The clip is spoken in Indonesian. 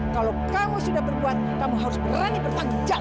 kalau kamu sudah berbuat kamu harus berani bertanggung jawab